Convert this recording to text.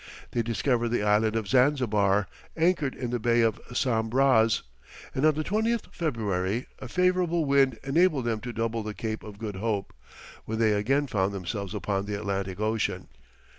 They discovered the Island of Zanzibar, anchored in the Bay of Sam Braz, and on the 20th February, a favourable wind enabled them to double the Cape of Good Hope, when they again found themselves upon the Atlantic Ocean.